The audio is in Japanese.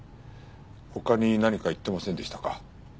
他に何か言ってませんでしたか？